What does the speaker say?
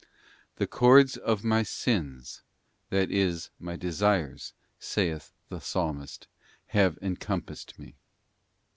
'The cords of my sins,' that is, my desires, saith the Psalmist, 'have encompassed me."